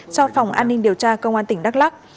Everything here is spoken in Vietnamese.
cho phòng an ninh điều tra công an tp đắc lắc